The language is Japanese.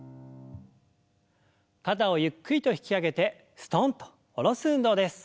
肩をゆっくりと引き上げてすとんと下ろす運動です。